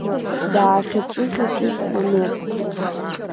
Дааӷьаҵәы-ӷьаҵәит Мамеҭ.